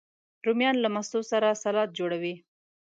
رومیان له ماستو سره سالاد جوړوي